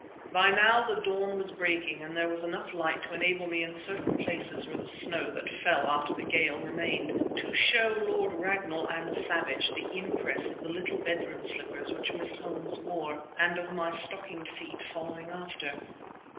By now the dawn was breaking and there was enough light to enable me in certain places where the snow that fell after the gale remained, to show Lord Ragnall and Savage the impress of the little bedroom slippers which Miss Holmes wore, and of my stockinged feet following after.